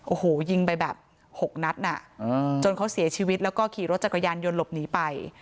โอ้โหยิงไปแบบ๖นัดจนเขาเสียชีวิตแล้วก็ขี่รถจักรยานยนต์หลบหนีไป